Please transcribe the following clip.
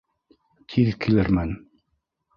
Тиҙ килермен.